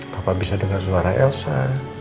bapak bisa dengar suara elsa